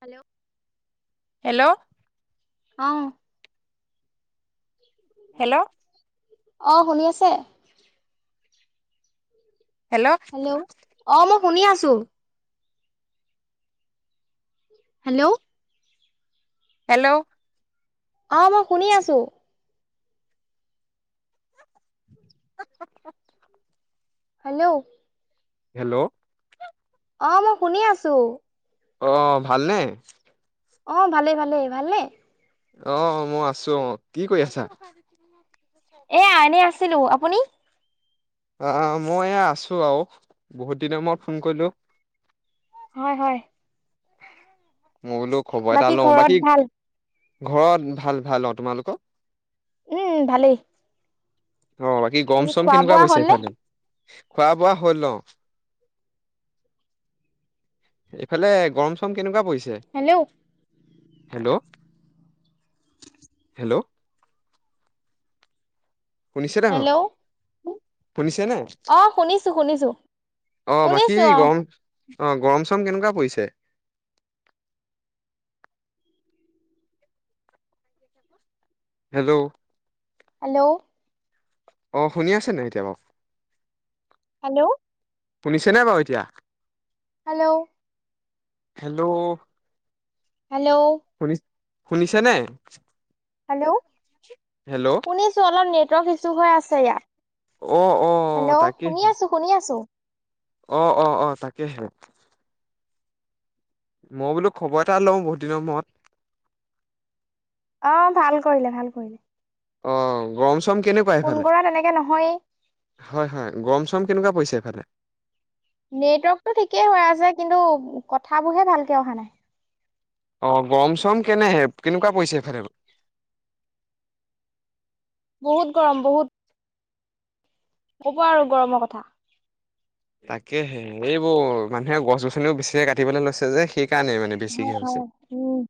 Hello hello অ' hello অ', শুনি আছে? হেল্ল, অ', ম শুনি আছোঁ। হেল্ল' হেল্ল' অ', মই শুনি আছোঁ। হেল্ল' হেল্ল' অ', মই শুনি আছোঁ। অ', ভালনে? অ', ভালে, ভালে, ভালনে? অ', মই আছোঁ, অ', কি কৰি আছা? এয়া, এনে আছিলোঁ, আপুনি? আ, মই এয়া আছোঁ আৰু বহুত দিনৰ মোৰত ফোন কৰিলোঁ। হয়, হয়। মই বোলো খবৰ এটা লওঁ, ঘৰত বাকী ভাল? ঘৰত ভাল, ভাল, অ', তোমালোকৰ? উম, ভালেই। অ', বাকী গৰম চৰম খোৱা কেনেকুৱা বোৱা পৰিছে হ'লনে? ইফালে? খোৱা বোৱা হ'ল অ'। এইফালে গৰম চৰম কেনেকুৱা পৰি হেল্ল' হেল্ল'! হেল্ল'! শুনিছেনে হেল্ল' বাৰু? শুনিছেনে অ'! শুনিছো শুনিছোঁ, অ বাকী শুনিছোঁ অ'! গৰম অ'! গৰম চৰম কেনেকুৱা পৰিছে? হেল্ল'? হেল্ল'! অ'! শুনি আছে নে এতিয়া বাৰু? হেল্ল'? শুনিছেনে বাৰু এতিয়া? হেল্লো'! হেল্ল'! হেল্ল'! শুনিছানে? হেল্ল'! শুনিছোঁ অলপ নেট ইছু হৈ আছে ইয়াত। অ' অ' হেল্ল'! শুনি তাকেহে আছোঁ, শুনি আছোঁ। অ'! অ'! অ'! তাকেহে। মই বোলো খবৰ এটা লওঁ বহুত দিনৰ মূৰত! অ'! ভাল কৰিলে, ভাল কৰিলে। অ'! গৰম চৰম কেনেকুৱা ফোন এইফালে? কৰা তেনেকে নহয়েই। হয়, হয়। গৰম চৰম কেনেকুৱা পৰিছে সেইফালে? নেটৱৰ্কটো ঠিকেই হৈ আছে, কিন্তু কথাবোৰহে ভালকে অহা নাই। অ'! গৰম চৰম কেনেহে, কেনেকুৱা পৰিছে এইফালে বাৰু? বহুত গৰম! বহুত! নক'ব আৰু গৰমৰ কথা। তাকে, এইবোৰ মানুহে গছ, গছনিও বেছিকে কাটিবলৈ লৈছে যে সেই সেইকাৰণে মানে বেছি হয় কে হয় হৈছে। উম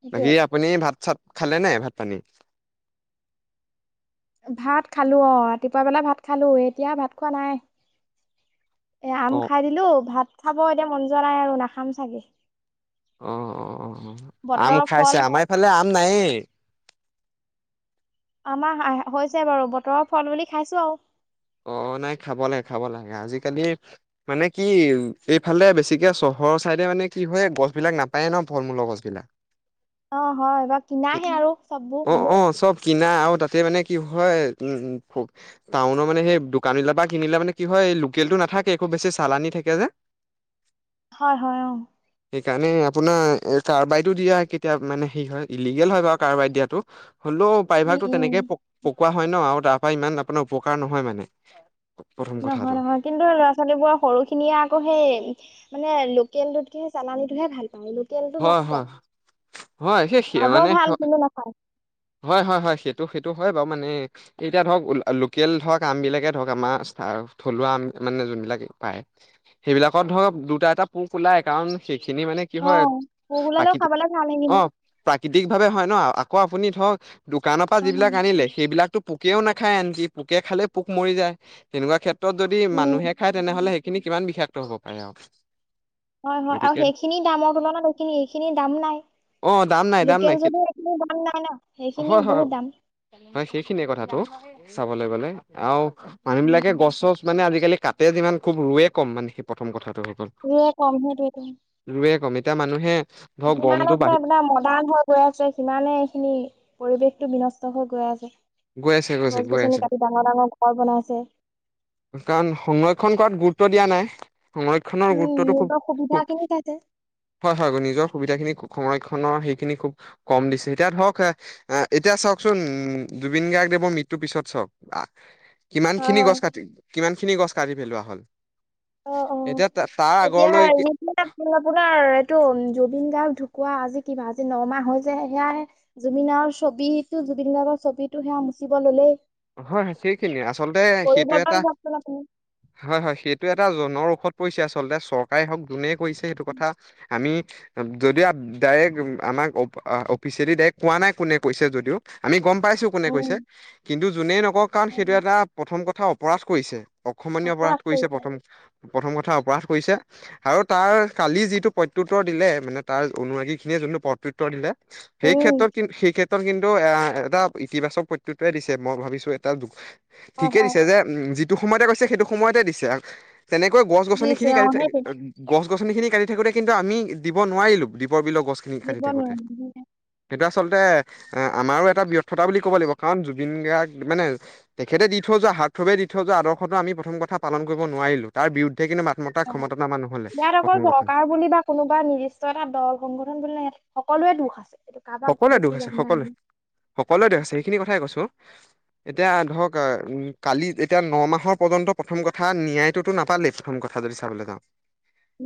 সেইটোৱে বাকী আপুনি ভাত-চাত খালে নাই ভাত, পানী? ভাত খালোঁ অ'! ৰাতিপুৱা বেলা ভাত খালোঁ। এতিয়া ভাত খোৱা নাই। এ, আম অ' খাই দিলোঁ, ভাত খাব এতিয়া মন যোৱা নাই আৰু নাখাম চাগে। অ'! অ'! অ'! আম বতৰৰ ফল খাইছে? আমাৰ এইফালে আম নাইয়ে। আমাৰ আ হৈছে বাৰু, বতৰৰ ফল বুলি খাইছোঁ আৰু। অ'! নাই খাব লাগে, খাব লাগে। আজিকালি মানে, কি এইফালে বেছিকে চহৰৰ চাইডে মানে, কি হয়, গছ বিলাক নাপায় ন' ফল-মূলৰ গছ বিলাক। অ'! হয়। এইবাৰ কিনাহে আৰু চববোৰ। অ' অ' চব কিনা আৰু তাতে মানে কি হয়, উম! ত মানে সেই দোকানিলা বা কিনিলে মানে কি হয় লোকেলতটো নাথাকে একো বেছি চালানি থাকে, যে। হয়- হয়- অহ ', সেইকাৰণে আপোনাৰ কাৰবাৰতটো দিয়া কেতিয়া মানে হেই হয়, ইলিগেল হয় বাৰু কাৰবাই দিয়াতো। হ'লেও উম প্ৰাইভাগটো উম তেনেকে কোৱা হয় ন, আৰু তাৰ পৰা ইমান আপোনাৰ নহয়, মানে। প্ৰথম কথাটো নহয়-নহয় কিন্তু ল'ৰা, ছোৱালীবোৰৰ সৰু খিনিয়ে আকৌ সেই। মানে লোকেল দুত কি চালানীটোহে ভাল পায়। লোকেলটো নষ্ট হয়-হয়- হয় সে খাব স-মানে ভাল কিন্তু নাখায় হয়- হয়- হয় সেইটো-সেইটো হয় বাৰু মানে এতিয়া ধৰক লোকেল ধৰক আম বিলাকে ধৰক আমাৰ থলুৱা আম মানে, যোনবিলাক পায় সেইবিলাকত ধৰক দুটা, এটা পোক ওলাই। কাৰণ? খিনি মানে কি অ হয়, পোক ওলালেও প্ৰাকৃতি খাবলে ভাল সেইখিনি অহ ', প্ৰাকৃতিক ভাৱে হয় ন। আপুনি ধৰওক। দোকানৰ পৰা অ যিবিলাক আনিলে সেইবিলাকো পোকেও নাখায়, আনকি পোকে খালেই পোক মৰি যায়, তেনেকুৱা ক্ষেত্ৰত যদি উম মানুহে খায়, তেনেহ'লে সেইখিনি কিমান বিশেষ। হ'ব পাৰে আৰু। হয়- হয় আৰু গতিকে সেইখিনি দামৰ তুলত এইখিনি এইখিনি দাম নাই। অ', দাম নাই দাম নাই লোকেও সেইটো যদি সেইখিনি দাম হয় - হয় বহুত -হয় সেইখিনিয়ে কথাটো চাবলৈাগ গলে আৰু। মানুহ উম বিলাকে গছ ছছ মানে আজি আজিকালি কাটতে যিমান খুব ৰোৱে কম মানে সেই প্ৰথম কথা। দুয়া কম হে দুটো [unintelligible] ৰুৱে কম এতিয়া মানুহে। ধৰক সিমান গৰমটো আছে বাঢ়ি আৰ মডাৰ্ণ হৈ গৈ আছে সিমানেই। সখিনি পৰিৱেশটো বিনষ্ট হৈ গৈ আছে। গৈ আছে গৈছে গছ- গৈ আছে গছনি কাটি ডাঙৰ- ডাঙৰ ঘৰ বনাইছে। কাৰণ সংৰক্ষণ কৰাত গুৰুত্ব দিয়া নাই। সংৰক্ষণৰ উম গুৰুত্বটো খুব- নিজৰ সুবিধা খুব খিনি চাইছে হয়- হয় নিজৰ সুবিধাখিনি সংৰক্ষণ নৰ সেইখিনি খুব কম দিছে। এতিয়া ধৰক এতিয়া চাওকচোন জুবিন গাৰ্গদেৱৰ মৃত্যুৰ পিছত চাওক। আহ', কিমান হয় খিনি হয় গছ কাটিল। কিমান খিনি গছ কাঢ়ি পেলোৱা হ'ল। অহ ', - অহ', এতিয়া তাৰ এতিয়া আগৰলৈ যি আপোনাৰ? ত জুবিন গাৰ্গ ঢুকুৱা আজি কিবা আজি নমাহ হৈছে। সেয়াই জুবিন গাৰ্ৰ ছবিটো জুবিন গাৰ্গৰ ছবিটো সেয়া মুচিব ললেই। হয় -হয় সেইখিনিয়ে আচলতে সেইটো এটা পৰিৱৰ্তন চাওকচোন আপুনি হয়- হয় সেইটো এটা। এটা জনৰ ঔষধ পৰিছে আচলতে চৰকাৰে হওক যোনেই কৰিছে সেইটো কথা আমি যদিও ডাইৰেক্ট আমাক অফিচিয়েলি ডাইৰেক্ট কোৱা নাই কোনে কৈছে যদিও আমি গম পাইছো কোনে কৈছে। উম কিন্তু যোনে কাৰণ সেইটো উম, এটা প্ৰথম কথা অপৰাধ কৰিছে। [unintelligible] অপৰাধ কৰিছে প্ৰথম প্ৰথম কথা অপৰাধ কৰিছে আৰু তাৰ কালি যিটো প্ৰত্যুত্তৰ দিলে মানে তাৰ অনুৰাগী খিনিয়ে যোনটো প্ৰত্যুত্তৰ দিলে সেই উম ক্ষেত্ৰত কিন্তু সেই ক্ষেত্ৰত ক্ষেত্ৰত কিন্তু এ এটা ইতিবাচক প্ৰত্যুত দিছে মই ভাবিছো এটা হয় ঠিকে হয় দিছে যে উম যি যিটো সময়তে কৈছে সেইটো সময়তে দিছে তেনেকৈ গছ-গছনি দিছে খিনি অ কাটি থাকে, সেইটোৱে গছ গছনি খিনি কাটি থাকোতে কিন্তু আমি দিব নোৱাৰিলো দীপৰ বিল গছখিনি কাটি দিব থাকোঁতে। নোৱাৰিম সেইটো আচলতে এ আমাৰো এটা ব্যৰ্থতা বুলি ক'ব লাগিব। কাৰণ জুবিন গাৰ্গ মানে তেখেতে দি থৈ যোৱা হাৰ্থথৱে দি থৈ যোৱা আদৰ্শটো আমি প্ৰথম কথা পালন কৰিব নোৱাৰিলো, তাৰ বিৰুদ্ধে কিন্তু মাত মতা অঁ ক্ষমতাটো আমাৰ নহ'লে। ইয়াত অকল প্ৰথম কথা চৰকাৰ বুলি বা কোনোবা নিৰ্দিষ্ট এটা দল সংগঠন বুলি নহয়, সকলোৱে দুখ। [inaudible] সকলোৱে দোষ দি আছে, লাভ নাই সকলোৱে-সকলোৱে দোষ আছে সকলোৱে সেইখিনি কথাই কৈছো। এতিয়া ধৰক কালি এতিয়া ন মাহৰ পৰ্যন্ত প্ৰথম কথা নিয়ায়টোতো নাপালেই প্ৰথম কথা যদি চাবলৈ যাওঁ।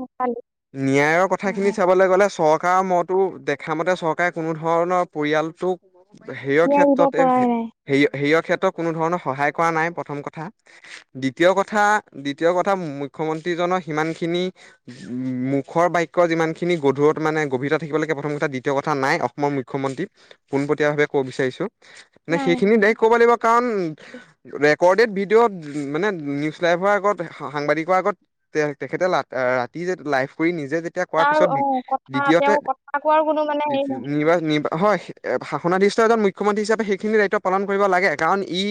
নেপালী। ন্যায়ৰ হয় কথাখিনি হয় চাবলৈ গ'লে চৰ থকা মই টো দেখামতে চৰ কোনো ধৰণৰ পৰিয়ালটোক সেইয়ৰ এৰিব ক্ষেত্ৰতে পৰাই সে নাই হেৰীয়ত ক্ষেত্ৰত কোনো ধৰণৰ সহায় কৰা নাই প্ৰথম কথা, দ্বিতীয় কথা- দ্বিতীয় কথা মুখ্যমন্ত্ৰীজনৰ সিমানখিনি মুখৰ বাক্য যিমানখিনি গধুৰত মানে গভীৰতা থাকিব লাগে, প্ৰথম কথা দ্বিতীয় কথা নাই অসমৰ মুখ্যমন্ত্ৰীক পোনপটীয়াভাৱে ক'ব বিচাৰিছোঁ। নে নাই নাই সেইখিনি ডাইৰেক্ট ক'ব লাগিব কাৰণ কৰৰ্ডেট ভিডিঅ' মানে নিউজ লাইভৰ আগত সাংবাদিকৰ আগত তে তেখেতে ৰাতি যে লাইভ কৰি নি তাৰ অঁ কথা, তেওঁ কথা কোৱাৰ কোনো মানে হেৰি নাই [unintelligible] হয়, শাসনাধিষ্ট এজন মুখ্যমন্ত্ৰী হিচাপে সেইখিনি দায়িত্ব পালন কৰিব লাগে কাৰণ ই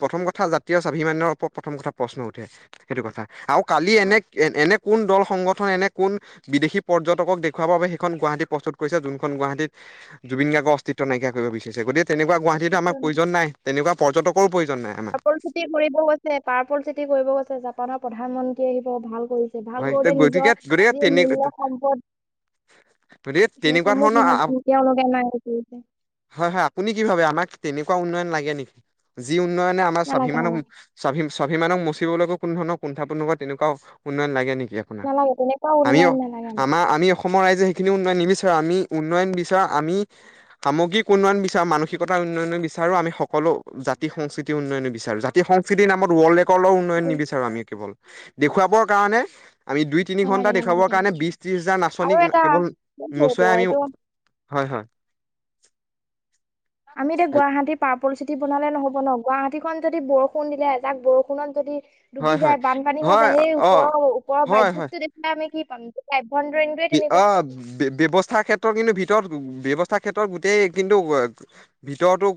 প্ৰথম কথা জাতীয় স্বাভিমান্যৰ ওপৰত প্ৰথম কথা প্ৰশ্ন উঠে, সেইটো কথা। আৰু কালি হয়, এনে-এনে কোন দল সংগঠন এনে কোন বিদেশী পৰ্যটক দেখওৱাৰ বাবে সেইখন গুৱাহাতীত প্ৰস্তুত যোনখন গুৱাহাটীত জুবিন গাৰ্গৰ অতিত্ব নাইিয়া কৰিব বিচাৰি গতিকে তেনেকুৱা গুৱাহীত আমাক প্ৰয়োজন নাই তেনেকুৱা। পৰ্যটকৰ। পাপল চিট কৰিবও আৈছে পাৰফল চিতি কৰিবও গৈছে। ভাৰতৰ প্ৰধানমন্ত্ৰী আহিব ভাল। কৰিছে ভাল হয়। কৰোতে গতিকে নিজৰ গতিকে যি তেনে মূল্য সম্পদ গতিকে তেনেকুৱা সেইসমূহ ধৰণৰ সিহঁত তেওঁলোকে নাই কৰিছে হয় হয় আপুনি কি ভাবে আমাক তেনে। উন্নয়ন লাগে নেকি যি? উন্নয়নে আমাৰ নালাগে স্বাভিমান। নালাগে স্বাভিমানক মচিবলৈক কোনো ধৰণৰ কুণ্ঠাবোধ তেনেকুৱাও উন্নয়ন লাগে। নালাগে তেনেকুৱা আমিও উন্নয়ন নালাগে আমাক আমাৰ আমি আসমীয়া অসমৰ ৰাইজে সেইখিনি উন্নয়ন নিবিচাৰাৰে আমি উন্নয়ন বিচাৰ আমি সামগ্ৰিক উন্নয়ন বিচাৰো মানসিকতাৰ উন্নয়ন বিচাৰি আমি সকলো জাতি সংস্কৃতিৰ উন্নয়ন বিচাৰো জাতি সংস্কৃতি নামত ৱৰ্ল্ড। কলৰ উন্নয়ন নিবিচাৰো আমি কেৱল। দেখুৱাবৰ। গানে। আমি দুই তিনি ঘন্টা নালাগে নালাগে দেখুৱাবৰ কাৰণে তেনেকুৱা বিশ ত্ৰিশ হাজাৰ নাচনী আৰু এটা কেৱল এইটো নোচোৱাই এইটো আমি। এইটো হয় -হয় আমি এতিয়া গুৱাহাটী পাম। পৰিস্থিতি বনালে নহ'ব ন গুৱাহাটীখন যদি বৰষুণ দিলে এজাক বৰষুণত যদি। ডুবি হয় হয় যায় বানপানী হয় যায় সেই ওপৰৰ ওপৰৰ হয় হয় [unintelligible] দেখিলে আমি কি পানী টো পাইপ। অ' ব্যৱস্থাৰ ক্ষেত্ৰত কিন্তু ভিতৰত ব্যৱস্থাৰ ক্ষেত্ৰত গোটেই কিন্তু ভিতৰতো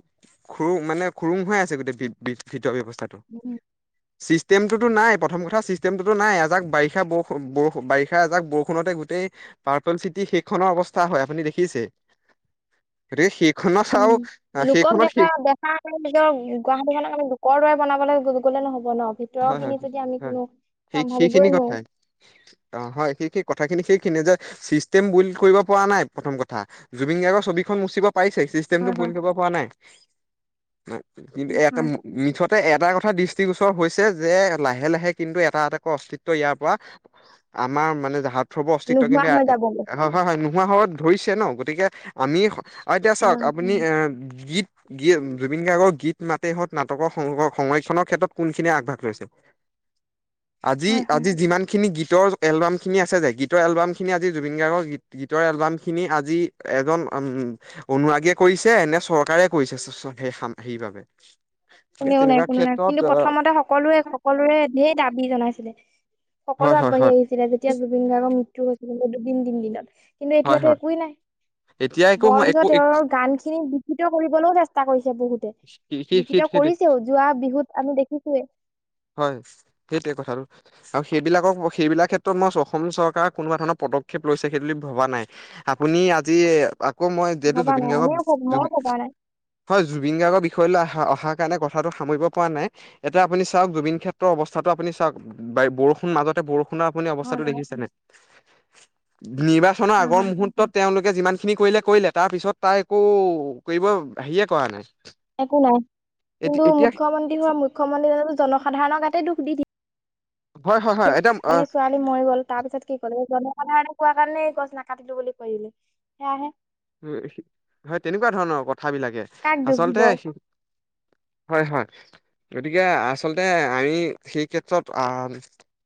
খু মানে খুৰুং হৈ আছে গোটেই ভিতৰৰ ব্যৱস্থা। [inaudible] চিষ্টেমটো নাই প্ৰথম কথা চিষ্টেমটোো নাইএজাক বাৰিষা ব বাৰিষা এজাক বৰষুণতে। গোতেই পাৰ্পল চিটি শেখনৰ অৱস্থা হয় আপুনি দেখিছে গ শ উম লোকক দেখা -দেখা আমি নিজৰ গুৱাহাটীখনক আমি লোকৰ দৰে বনাবলৈ। গ'লে নহব। ন ভিতৰৰ হয় খিনি -হয়- যদি আমি হয় কোনো স চম্ভালিবই সেইখিনি নোৱাৰো কথাই অ' হয় স -স কথাখিনি চিষ্টেম বুলি কৰিব পৰা নাই প্ৰথম কথা জুবিন গাৰ্গৰ ছবিখন মুচিব। পাইছে চিষ্টেমটো হয় ভুল হয় কৰিবব পোৱা নাই। কিন্তু উম, এটা হয় মিঠত। এটা কথা দৃষ্টিগোচৰ হৈছে। যে, লাহে, লাহে কিন্তু এটা, এটাকৈ অস্তিত্ব ইয়াৰ পৰা আমাৰ মানে জাহা থব অস্তিত্ব নোহোৱা কিন্তু হৈ যাবগৈ এ-হ-হ-হ নোহোৱা হ'ব ধৰিছে ন? গতিকে আমি আ, এতিয়া চাওঁক নোহোৱা হৈ আপুনি যাব। আ, গীত গী-জুবিন গাৰ্গৰ গীত মাতেই হত নাটকৰ সং-সংৰক্ষণৰ ক্ষেত্ৰত কোন খিনি আগভাগ লৈছে আজি, হয় হয় আজি যিমান খিনি গীত গীতৰ এলবাম খিনি আছে যে, গীতৰ এলবাম খিনি আজি জুবিন গাৰ্গৰ গীতৰ এলবাম খিনি আজি এজন উম-অনুৰাগীয়ে কৰিছে নে? চৰকাৰে কৰিছে? চ-চ-সেই-হেইবাবে কোনেও নাই, কোনেও নাই কিন্তু প্ৰথমতে সক সকলোৱে, সকলোৰে ধে, দাবী জনা ছিলে সকলো হয় হয় আগবাঢ়ি হয় আহিছিলে, যেতিয়া জুবিন গাৰ্গৰ মৃত্যু হৈছিল‌ [unintelligible] দিন, দিন, দিনত কিন্তু হয় এতিয়াতো হয় একোৱেই নাই, এতিয়া একো বৰঞ্চ একো তেওঁৰ গান খিনি বিকৃত কৰিবলৈও চেষ্টা কৰি বহুতে সেই কৰিছেও যোৱা বিহুত আমি দেখিছোয়ে হয় সেইটোৱে কথাটো আৰু সেইবিলাকক সেইবিলাক ক্ষেত্ৰত মই অসম চৰকাৰে কোনোবা ধৰণৰ পদক্ষেপ লৈছে সেইটো ভবা নাই আপুনি আজি আকৌ মই যিহেতু ভবা জুবিন নাই গাৰ্গৰ আমিও জ মই ভবা নাই হয় জুবিন গাৰ্গৰ বিষয় লৈ আহ অহাৰ কাৰণে কথাটো সামৰিব পৰা নাই এতিটা আপুনি চাওক জুবিন ক্ষেত্ৰৰ অৱস্থাতো আপুনি চাওক বৰষুণ মাজতে বৰষুণ। আপুনি হয় অৱস্থাতটো হয় দেখিছেনে। নিৰ্বাচনৰ হয় আগৰ হয়। মুহুৰ্তত তেওঁলোকে যিমান। খিনি কৰিলে কৰিলে তাৰপিছত তাই একো কৰিব হেৰিয়ে কৰা নাই। একো নাই এ কিন্তু এতিয়া মুখ্যমন্ত্ৰী হোৱা মুখ্যমন্ত্ৰী নো জন। সাধাৰণ গাতে দুখ দিয়ে। হয় হয় হয় এতিয়া মানে ছোৱালী মৰি গ'ল তাৰ পিছত কি কল জনসাধাৰণে কোৱা গছ ন কাটিলো বুলি কলে সেয়াহে উম হয় তেনেকুৱা ধৰণৰ কথা কথাবিলাকে কাক দুখ দিব আচলতে হয় হয় গতিকে আচলতে আমি সেই ক্ষেত্ৰত আহ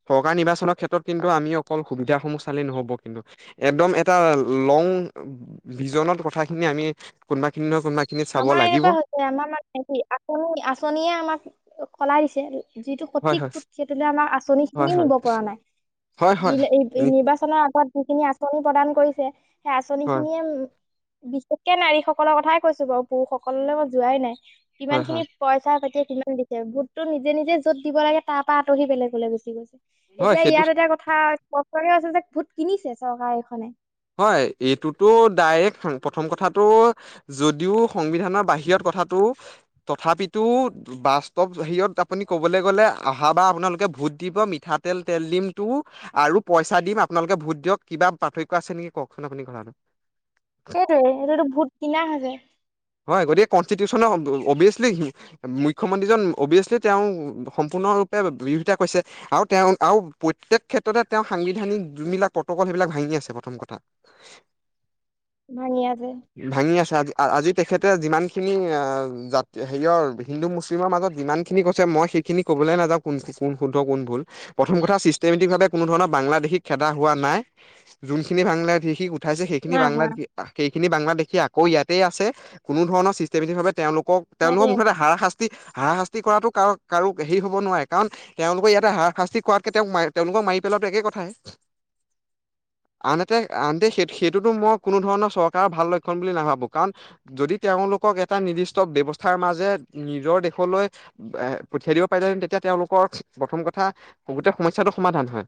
চৰকাৰ নিৰ্বাচনৰ ক্ষেত্ৰত কিন্তু আমি অকল সুবিধাস সমূহ চালেই নহ'ব কিন্তু একদম এটা লং ভিজনত কথাখিনি আমি কোনোবাখিনিক আমাৰ এনেকুৱা হৈছে, আমাৰ মানে হেৰি, আঁচনি-আঁচনিয়ে আমাক সলাই দিছে যিটো হয় সঠিক হয় ভোট, সেইটোলৈ আমাৰ হয় আঁচনিখিনি হয় নিব পৰা নাই। হয় হয় নিলে নি- নিৰ্বাচনৰ আগত যিখিনি আঁচনি প্ৰদান কৰিছে সেই হয় আঁচনিখিনিয়ে বিশেষকে নাৰীসকলৰ কথাই কৈছোঁ বাৰু। পুৰুষসকললৈ মই যোৱাই নাই। হয় ইমানখিনি হয় পইচা সৈতিয়ে কিমান দিছে? ভোটটো নিজে নিজে য'ত দিব লাগে, তাৰ পৰা আঁতৰি বেলেগলৈ গুচি গৈছে হয় এতিয়া সেইটো ইয়াত এটা কথা, স্পষ্টকে আছে যে ভোট কিনিছে চৰকাৰ এইখনে হয় এইটোতো ডাইৰেক্ট প্ৰথম কথাটো যদিও সংবিধানৰ বাহিৰত কথাটো তথাপিতো বা ষ্টপ হেৰিত আপুনি ক'বলৈ গ'লে অহ বা আপোনালোকে ভোট দিব মিঠাতেল তেল দিমটো আৰু পইচা দিম আপোনালোকে ভোট দিয়ক কিবা পাৰ্থক্য কিবা আছে নেকি? কওক, এনেও আপুনি ঘৰতে সেইটোৱে এইটোতো ভূত কিনা হে যায়। হয় গতিকে কনষ্টিটিউচনৰ অভিয়াচলি, মুখ্যমন্ত্ৰীজন অভিয়াছলি, তেওঁ সম্পূৰ্ণৰূপে বিৰোধিতা কৰিছে আৰু তেওঁ প্ৰত্যেক ক্ষেত্ৰতে সাংবিধানিক যিবিলাক প্ৰট'কল, সেইবিলাক ভাঙি আছে আৰু প্ৰথম কথা ভাঙি আছে ভাঙি আছোঁ আজি, আজি তেখেতে যিমানখিনি আ, জাত হেৰিয়ৰ হিন্দু, মুছলিমৰ মাজত যিমানখিনি কৈছে মই সেইখিনি ক'বলৈ নাযাওঁ কোন শুদ্ধ কোন ভুল প্ৰথম কথা চিষ্টেমেটিকভাৱে কোনো ধৰণৰ বাংলাদেশী খেদা হোৱা নাই যোনখিনি বাংলাদেশী উঠাইছে সেইখিনি নাই হোৱা বাংলাদেশী-সেইিখিনি বাংলাদেশ সেই আকৌ ইয়াতেই আছে, কোনো ধৰণৰ চিষ্টেমেটিকভাৱে তেওঁলোক কক ইয়াতে তেওঁলোকৰ মুঠতে হাৰাশাস্তি, হাৰাশাস্তি কৰাটো কাৰ, কাৰো হেৰি হ'ব নোৱাৰে কাৰণ তেওঁলোকে ইয়াতে হাৰশাস্তি কৰাতকে তেওঁক, তেওঁলোকক মাৰি পেলোৱাটো একে কথাই। আনহাতে, আনহাতে সেই, সেইটোতো মই কোনো ধৰণৰ চৰকাৰৰ ভাল লক্ষণ বুলি নাভাবোঁ কাৰণ যদি তেওঁলোকক এটা নিৰ্দিষ্ট ব্যৱস্থাৰ মাজে নিজৰ দেশলৈ এ, পঠিয়াই দিব পাৰিলেহেঁতেন তেতিয়া, তেওঁলোকৰ প্ৰথম কথা গোটেই সমস্যাটো সমাধান হয়।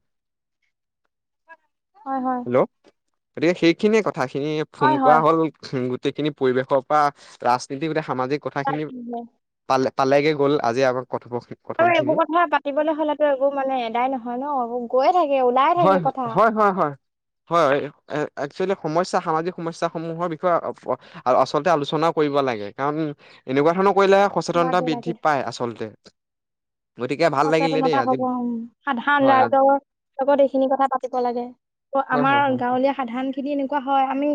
হয়, হয়। হেল্ল, গতিকে সেইখিনিয়ে কথ কথাখিনি ফোন হয় কৰা হয় হ'ল গোট গোটেইখিনি পৰিৱেশৰ পৰা ৰাজনীতি গোটেই সামাজিক কথাখিনি তাকেহে। পালে পালেগে গ'ল আজি আকৌ আৰু এইবোৰ কথা পাতিবলৈ হ'লেতো এইবোৰ মানে এদাই নহয় ন? গৈ থাকে ওলাই হয় থাকে হয় কথা। হয় হয় হয়। হয়, এ-একচুৱেলি সমস্যা সামাজিক সমস্যা সমূহৰ বিষয়ে আচলতে আলোচনাও কৰিব লাগে কাৰণ এনেকুৱা ধৰণৰ কৰিলে সচেতনতা লাগে লাগে। বৃদ্ধি পায় আচলতে। গতিকে ভাল লাগিলে দেই সচেতনতা আজি হ'ব অ', সাধাৰণ হয় আ- ৰাইজৰ লগত এইখিনি কথা পাতিব লাগে। হয় আমাৰ হয় হয় গাঁৱলীয়া সাধাৰণ খিনি এনেকুৱা হয় আমি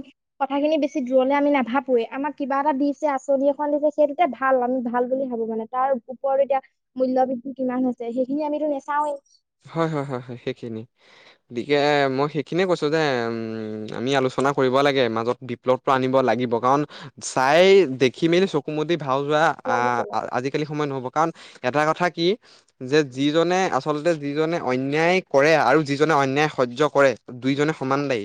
কথাখিনি বেছি দূৰলে আমি নাভাবোৱে, আমাক কিবা এটা দিছে আঁচনি এখন দিছে সেইটোতে ভাল আমি ভাল বুলি ভাবো মানে তাৰ ওপৰত এতিয়া মূল্য বৃদ্ধি কিমান হৈছে সেইখিনি আমিতো নাচাওঁৱেই। হয়, হয়, হয়, হয় সেইখিনি গতিকে মই সেইখিনিয়ে কৈছো যে উম, আমি আলোচনা কৰিব লাগে মাজত বিপ্লৱটো আনিব লাগিব কাৰণ চাই দেখি মেলি চকুমুদি ভাও যোৱা আ, হয় আজিকালি সময় নহ'ব। কাৰণ এটা কথা কি যে যিজনে আচলতে যিজনে অন্যায় কৰে আৰু যিজনে অন্যায় সহ্য কৰে দুইজনে সমান দায়ী।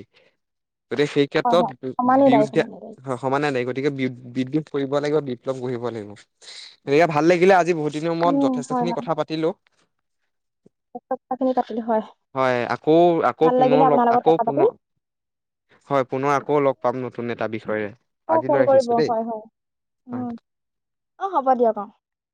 গতিকে সেই ক্ষেত্ৰত হয় সমানেই দায়ী বিৰুদ্ধে সমানেই দায়ী সমানে দায়ী। গতিকে বি-বিদ্ৰোহ কৰিব লাগিব বিপ্লৱ গঢ়িব লাগিব গতিকে ভাল লাগিলে আজি বহুত দিনৰ মূৰত উম যথেষ্ট হয় খিনি হয় কথা পাতিলো। কথাখিনি পাতিলো হয় হয়, আকৌ, আকৌ ভাল পুনৰ লাগিলে লগ, আপোনাৰ লগত আকৌ কথা পাতি পুনৰ, হয় পুনৰ আকৌ লগ পাম নতুন এটা বিষয়ে, অ ফোন আজিলৈ কৰিব ৰাখিছো দেই, হয় হয় উম অ'। অ হ'ব দিয়ক অ